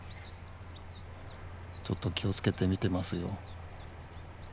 ちょっと気をつけて見てますよ。